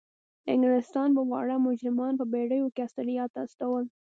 انګلستان به واړه مجرمان په بیړیو کې استرالیا ته استول.